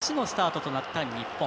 勝ち点１のスタートとなった日本。